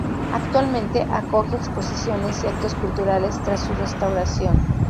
Actualmente acoge exposiciones y actos culturales tras su restauración.